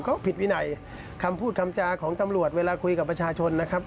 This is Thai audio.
ก็ผิดวินัยคำพูดคำจาของตำรวจเวลาคุยกับประชาชนนะครับ